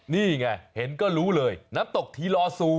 นี่ไงเห็นก็รู้เลยน้ำตกทีลอซู